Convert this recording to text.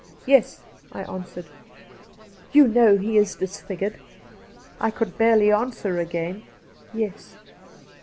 ' Yes,' I answered. ' You know he is disfigured ?' I could barely answer again, ' Yes.'